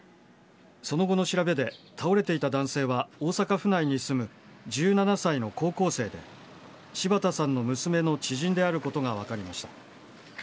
その後の調べで倒れていた男性は大阪府内に住む１７歳の高校生で、柴田さんの娘の知人であることが分かりました。